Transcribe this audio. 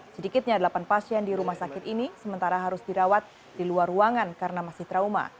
sedikitnya delapan pasien di rumah sakit ini sementara harus dirawat di luar ruangan karena masih trauma